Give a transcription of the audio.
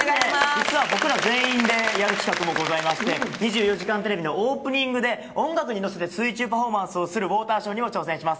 実は僕ら全員でやる企画もございまして、２４時間テレビのオープニングで音楽に乗せて水中パフォーマンスをするウォーターショーにも挑戦します。